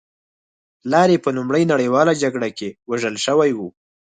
پلار یې په لومړۍ نړۍواله جګړه کې وژل شوی و